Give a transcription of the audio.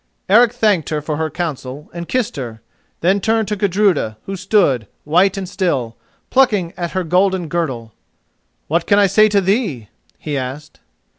Eric thanked her for her counsel, and kissed her, then turned to Gudruda, who stood, white and still, plucking at her golden girdle. "What can I say to thee?" he asked.